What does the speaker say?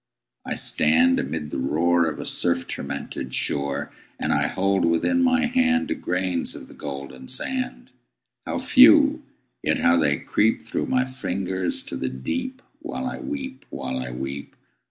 I stand amid the roar Of a surf tormented shore, And I hold within my hand Grains of the golden sand How few! yet how they creep Through my fingers to the deep While I weep while I weep!